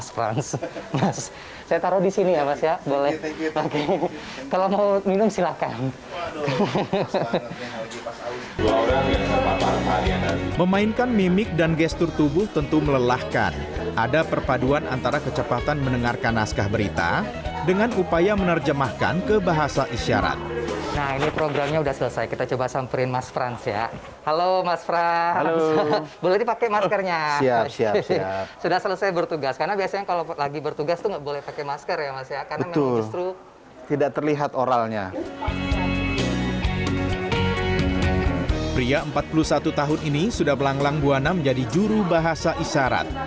pria empat puluh satu tahun ini sudah belang lang buana menjadi jurubahasa isyarat